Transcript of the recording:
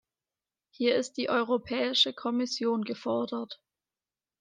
Hier ist die Europäische Kommission gefordert.